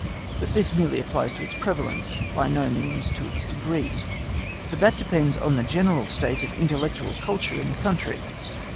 But this merely applies to its prevalence, by no means to its degree, for that depends on the general state of intellectual culture in the country.